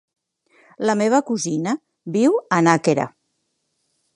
La meva cosina viu a Nàquera.